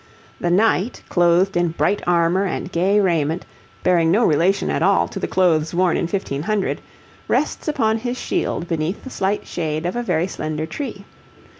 The Knight, clothed in bright armour and gay raiment, bearing no relation at all to the clothes worn in 1500, rests upon his shield beneath the slight shade of a very slender tree.